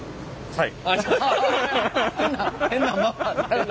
はい。